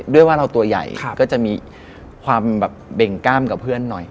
ด้วยว่าเราตัวใหญ่ก็จะมีความแบบเบ่งกล้ามกับเพื่อนหน่อย